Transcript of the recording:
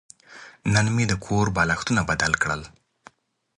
نن مې د کور بالښتونه بدله کړل.